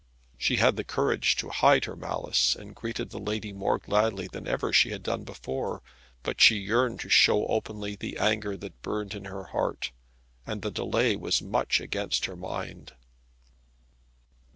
She had the courage to hide her malice, and greeted the lady more gladly than ever she had done before. But she yearned to show openly the anger that burned in her heart, and the delay was much against her mind.